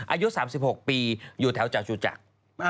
อายุ๓๖ปีอยู่แถวจูจักร